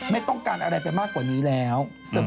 ไม่ต้องการอะไรไปมากกว่านี้แล้วเสมอ